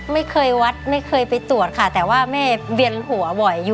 ไม่เคยวัดไม่เคยไปตรวจค่ะแต่ว่าแม่เวียนหัวบ่อยอยู่